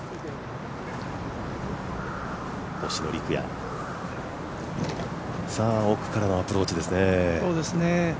星野陸也、奥からのアプローチですね。